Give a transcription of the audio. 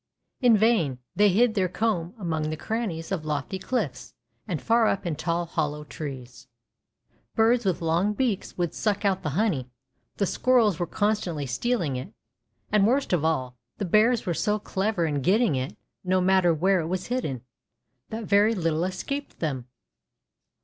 In vain they hid their comb among the crannies of lofty cliffs and far up in tall hollow trees. Birds with long beaks would suck out the honey, the squirrels were con stantly stealing it, and, worst of all, the bears were so clever in getting it, no matter where it was hidden, that very little escaped them.